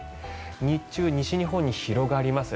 日中、西日本に広がります。